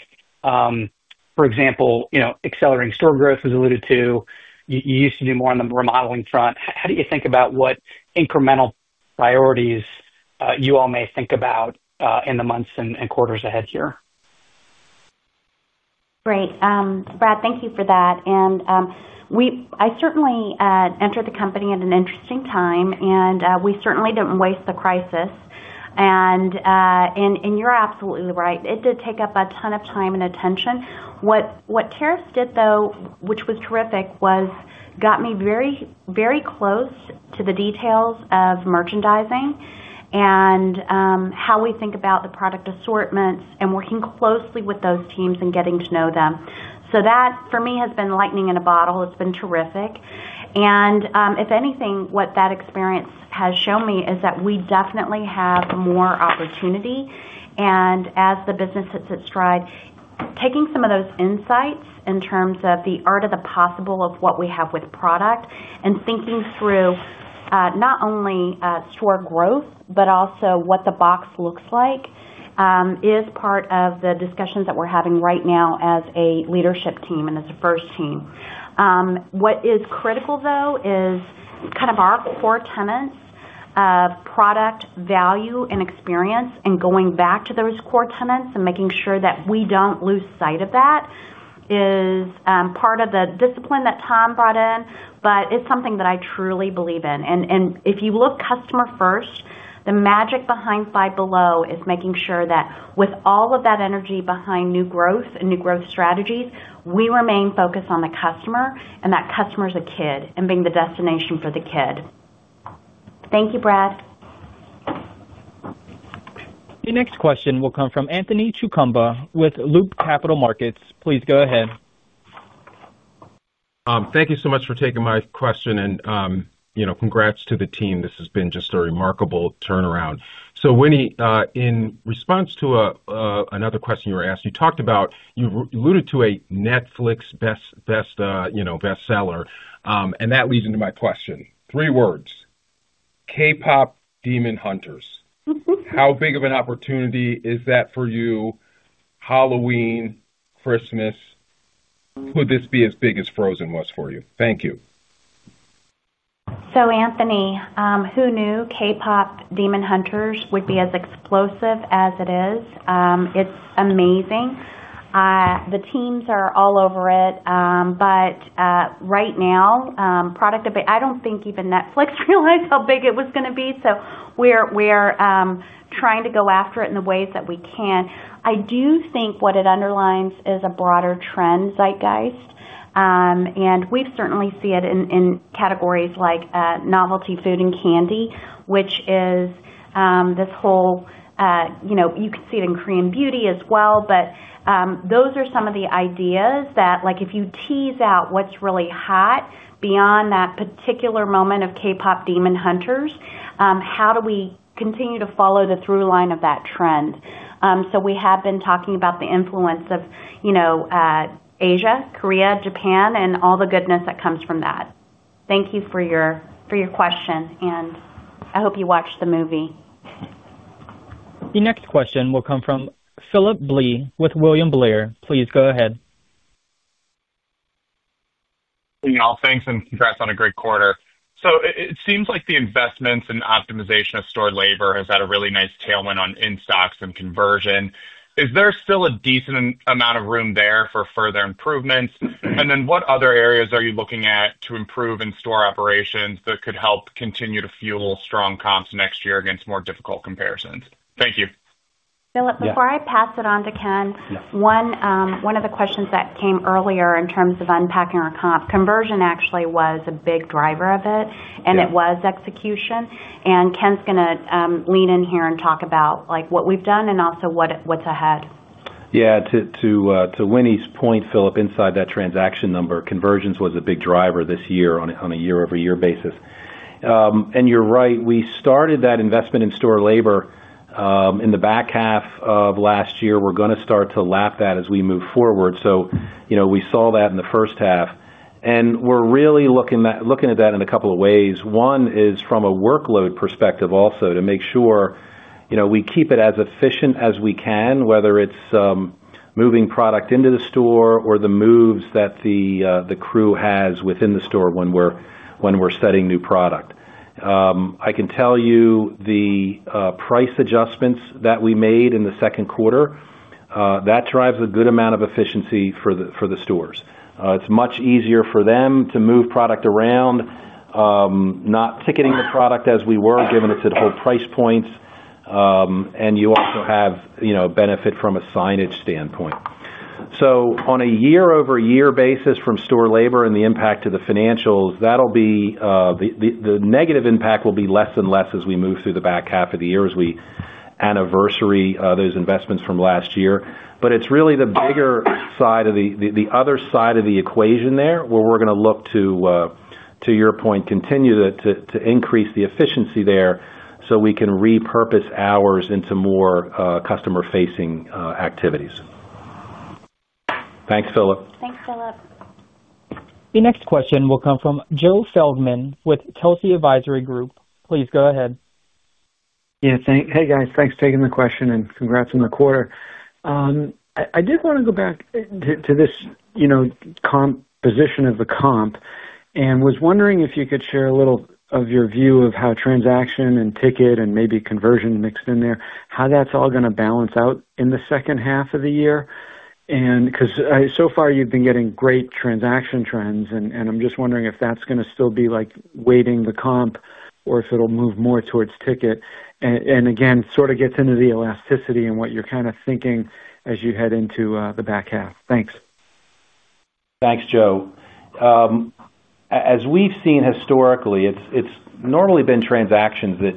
For example, you know, accelerating store growth was alluded to. You used to do more on the remodeling front. How do you think about what incremental priorities you all may think about in the months and quarters ahead here? Great, Brad. Thank you for that. I certainly entered the company at an interesting time, and we certainly didn't waste the crisis. You're absolutely right. It did take up a ton of time and attention. What tariffs did, though, which was terrific, was got me very, very close to the details of merchandising and how we think about the product assortments and working closely with those teams and getting to know them. That, for me, has been lightning in a bottle. It's been terrific. If anything, what that experience has shown me is that we definitely have more opportunity. As the business sits at stride, taking some of those insights in terms of the art of the possible of what we have with product and thinking through not only store growth, but also what the box looks like is part of the discussions that we're having right now as a leadership team and as a first team. What is critical, though, is kind of our four tenets of product value and experience. Going back to those core tenets and making sure that we don't lose sight of that is part of the discipline that Tom brought in. It's something that I truly believe in. If you look customer first, the magic behind Five Below is making sure that with all of that energy behind new growth and new growth strategies, we remain focused on the customer. That customer is a kid and being the destination for the kid. Thank you, Brad. The next question will come from Anthony Chukumba with Loop Capital Markets. Please go ahead. Thank you so much for taking my question, and congrats to the team. This has been just a remarkable turnaround. Winnie, in response to another question you were asked, you alluded to a Netflix best, best, you know, bestseller. That leads into my question. Three words. KPop Demon Hunters. How big of an opportunity is that for you? Halloween, Christmas, would this be as big as Frozen was for you? Thank you. Anthony, who knew KPop Demon Hunters would be as explosive as it is? It's amazing. The teams are all over it. Right now, product, I don't think even Netflix realized how big it was going to be. We're trying to go after it in the ways that we can. I do think what it underlines is a broader trend. Zeitgeist. We certainly see it in categories like novelty food and candy, which is this whole, you know, you can see it in Korean beauty as well. Those are some of the ideas that, like if you tease out what's really hot beyond that particular moment of KPop Demon Hunters, how do we continue to follow the through line of that trend? We have been talking about the influence of Asia, Korea, Japan, and all the goodness that comes from that. Thank you for your question and I hope you watch the movie. The next question will come from Phillip Blee with William Blair. Please go ahead. Thanks and congrats on a great quarter. It seems like the investments and optimization of store labor has had a really nice tailwind on in stocks and conversion. Is there still a decent amount of room there for further improvements? What other areas are you looking at to improve in store operations that could help continue to fuel strong comps next year against more difficult comparisons? Thank you, Phillip. Before I pass it on to Ken, one of the questions that came earlier in terms of unpacking our comp conversion actually was a big driver of it, and it was execution. Ken's going to lean in here and talk about what we've done and also what's ahead. Yeah, to Winnie's point, Philip, inside that transaction number, conversions was a big driver this year on a year-over-year basis. You're right, we started that investment in store labor in the back half of last year. We're going to start to lap that as we move forward. We saw that in the first half and we're really looking at that in a couple of ways. One is from a workload perspective, also to make sure we keep it as efficient as we can, whether it's moving product into the store or the moves that the crew has within the store when we're setting new product. I can tell you the price adjustments that we made in the second quarter drive a good amount of efficiency for the stores. It's much easier for them to move product around, not ticketing the product as we were given it's at full price points. You also have benefit from a signage standpoint. On a year-over-year basis from store labor and the impact to the financials, the negative impact will be less and less as we move through the back half of the year as we anniversary those investments from last year. It's really the bigger side of the other side of the equation there where we're going to look, to your point, to continue to increase the efficiency there so we can repurpose hours into more customer facing activities. Thanks, Philip. Thanks, Philip. The next question will come from Joe Feldman with Telsey Advisory Group. Please go ahead. Yeah. Hey guys, thanks for taking the question and congrats on the quarter. I did want to go back to this composition of the comp and was wondering if you could share a little of your view of how transaction and ticket and maybe conversion mixed in there, how that's all going to balance out in the second half of the year because so far you've been getting great transaction trends and I'm just wondering if that's going to still be like weighting the comp or if it'll move more towards ticket and again sort of gets into the elasticity and what you're kind of thinking as you head into the back half. Thanks. Thanks Joe. As we've seen historically it's normally been transactions that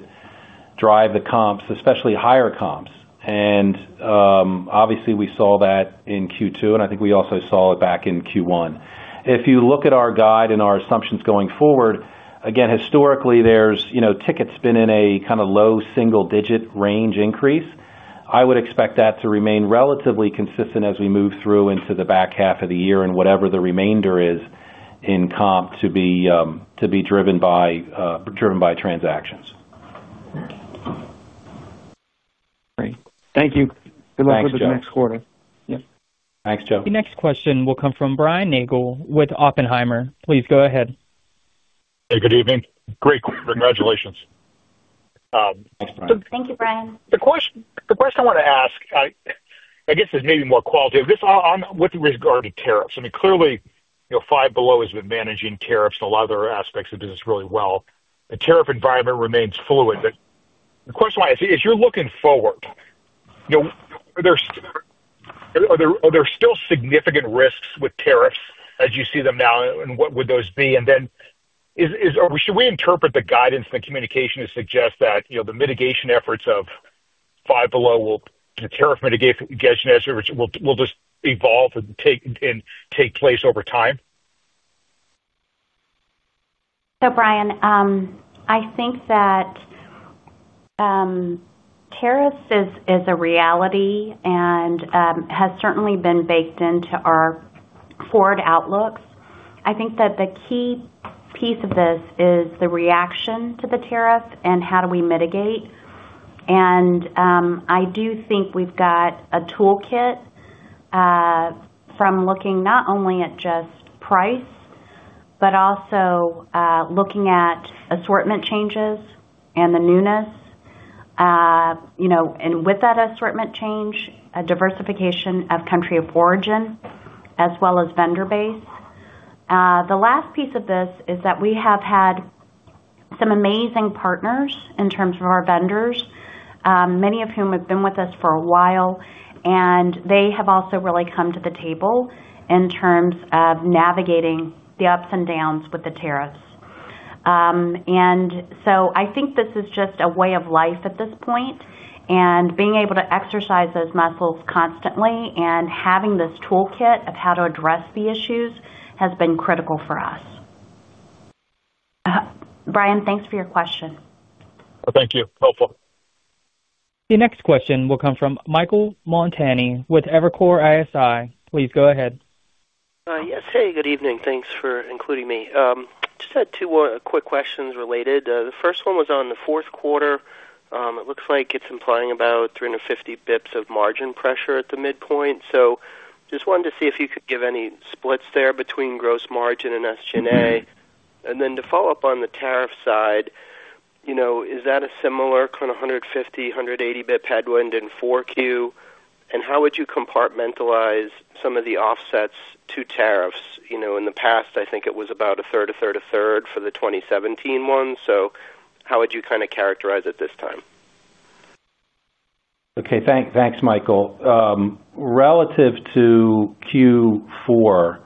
drive the comps, especially higher comps and obviously we saw that in Q2 and I think we also saw it back in Q1. If you look at our guide and our assumptions going forward again historically there's, you know, ticket's been in a kind of low single digit range increase. I would expect that to remain relatively consistent as we move through into the back half of the year and whatever the remainder is in comp to be driven by transactions. Great, thank you. Good luck with the next quarter. Thanks Joe. The next question will come from Brian Nagel with Oppenheimer. Please go ahead. Hey, good evening. Great. Congratulations. Thank you, Brian. The question I want to ask I guess is maybe more qualitative with regard to tariffs. I mean clearly, you know, Five Below has been managing tariffs and a lot of other aspects of business really well. The tariff environment remains fluid. The question is, as you're looking forward, you know, are there still significant risks with tariffs as you see them now and what would those be? Should we interpret the guidance and communication to suggest that, you know, the mitigation efforts of Five Below, the tariff mitigation, will just evolve and take place over time? Brian, I think that tariff is a reality and has certainly been baked into our forward outlooks. I think that the key piece of this is the reaction to the tariff and how do we mitigate. I do think we've got a toolkit from looking not only at just price but also looking at assortment changes and the newness, you know, and with that assortment change, diversification of country of origin as well as vendor base. The last piece of this is that we have had some amazing partners in terms of our vendors, many of whom have been with us for a while. They have also really come to the table in terms of navigating the ups and downs with the tariffs. I think this is just a way of life at this point and being able to exercise those muscles constantly and having this toolkit of how to address the issues has been critical for us. Brian, thanks for your question. Thank you. Helpful. The next question will come from Michael Montani with Evercore ISI. Please go ahead. Yes. Hey, good evening. Thanks for including me. Just had two quick questions related. The first one was on the fourth quarter. It looks like it's implying about 350 bps of margin pressure at the midpoint. Just wanted to see if you could give any splits there between gross margin and SG&A. To follow up on the tariff side, is that a similar kind of 150 bps, 180 bps headwind in 4Q and how would you compartmentalize some of the offsets to tariffs? In the past I think it was about 1/3. A third? A third for the 2017 one. How would you kind of characterize it this time? Okay, thanks, Michael. Relative to Q4,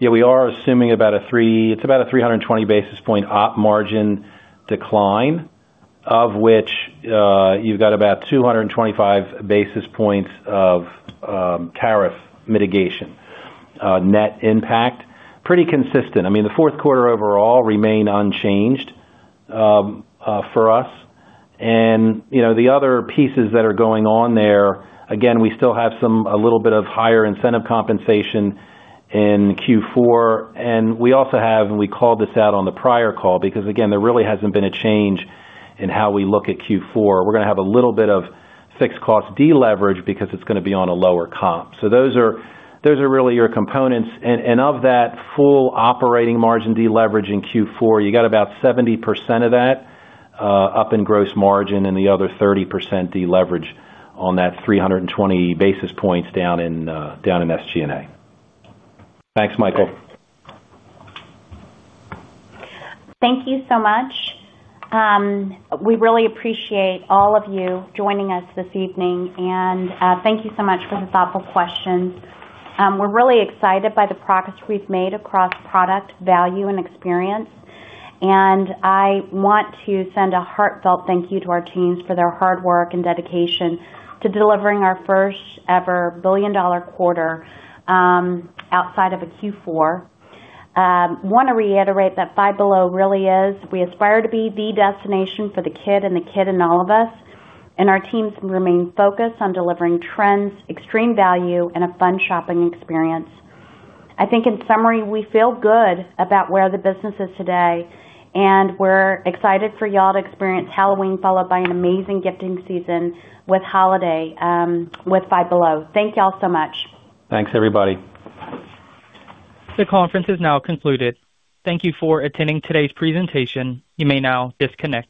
we are assuming about a three. It's about a 320 basis point operating margin decline of which you've got about 225 basis points of tariff mitigation. Net impact pretty consistent. The fourth quarter overall remains unchanged for us. The other pieces that are going on there, we still have some a little bit of higher incentive compensation in Q4 and we also have, and we called this out on the prior call because there really hasn't been a change in how we look at Q4. We're going to have a little bit of fixed cost deleverage because it's going to be on a lower comp. Those are really your components. Of that full operating margin deleverage in Q4, you've got about 70% of that up in gross margin and the other 30% deleverage on that 320 basis points down in SG&A. Thanks, Michael. Thank you so much. We really appreciate all of you joining us this evening, and thank you so much for the thoughtful question. We're really excited by the progress we've made across product, value, and experience. I want to send a heartfelt thank you to our teams for their hard work and dedication to delivering our first ever billion dollar quarter outside of a Q4. I want to reiterate that Five Below really is, we aspire to be the destination for the kid and the kid in all of us, and our teams remain focused on delivering trends, extreme value, and a fun shopping experience. In summary, we feel good about where the business is today, and we're excited for y'all to experience Halloween followed by an amazing gifting season with holiday with Five Below. Thank y'all so much. Thanks everybody. The conference has now concluded. Thank you for attending today's presentation. You may now disconnect.